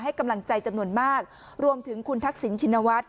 กำลังใจจำนวนมากรวมถึงคุณทักษิณชินวัฒน์